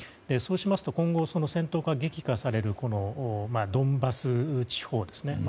そうしますと、今後、戦闘が激化されるドンバス地方ですね